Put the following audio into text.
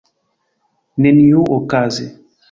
Neniuokaze.